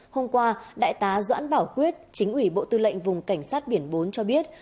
hôm qua đại tá doãn bảo quyết chính ủy bộ tư lệnh vùng cảnh sát biển bốn cho biết